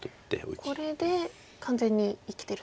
これで完全に生きてると。